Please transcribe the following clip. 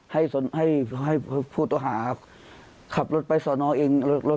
หรือหรือหรือหรือหรือหรือหรือ